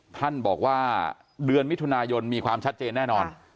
ท่านบอกว่าเดือนมิถุนายนมีความชัดเจนแน่นอน